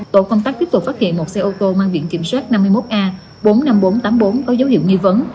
tổ công tác tiếp tục phát hiện một xe ô tô mang biển kiểm soát năm mươi một a bốn mươi năm nghìn bốn trăm tám mươi bốn có dấu hiệu nghi vấn